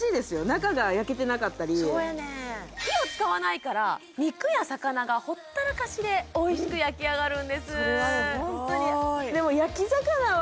中が焼けてなかったりそうやねん火を使わないから肉や魚がほったらかしでおいしく焼き上がるんですスゴー